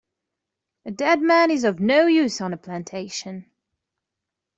A dead man is of no use on a plantation.